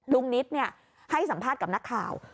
นิดให้สัมภาษณ์กับนักข่าว